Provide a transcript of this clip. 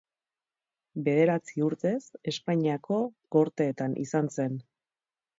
Bederatzi urtez, Espainiako Gorteetan izan zen.